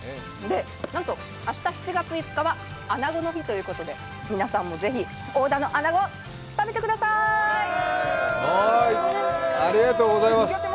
なんと、明日７月５日はあなごの日ということで、皆さんもぜひ、大田のあなご、食べてくださーい。